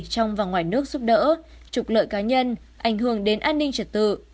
trong và ngoài nước giúp đỡ trục lợi cá nhân ảnh hưởng đến an ninh trật tự